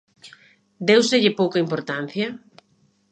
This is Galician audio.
Déuselle pouca importancia?